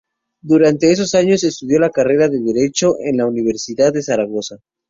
Durante esos años estudió la carrera de Derecho en la Universidad de Zaragoza.